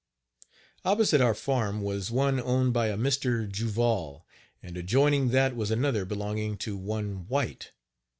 Opposite our farm was one owned by a Mr. Juval, and adjoining that was another belonging to one White.